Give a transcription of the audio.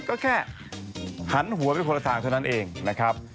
ก็แค่หันหัวไปคนละทางเท่านั้นเองนะครับ